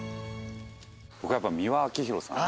僕はやっぱ美輪明宏さん。